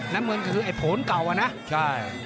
น้ำเมืองก็คือไอ้โผล่เก่าอะนะ